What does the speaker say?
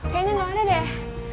kayaknya gak ada deh